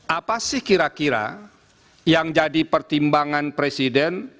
apa sih kira kira yang jadi pertimbangan presiden